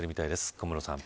小室さん。